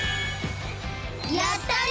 やったね！